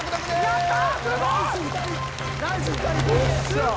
やった。